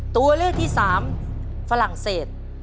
ตัวเลือกที่๓ฝรั่งเศส